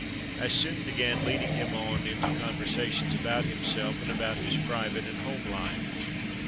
I soon began leading him on into conversa tions about himself and about his private and home life.